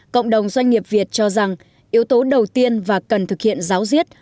cộng đồng doanh nghiệp việt cho rằng yếu tố đầu tiên và cần thực hiện giáo diết